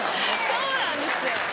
そうなんですよ。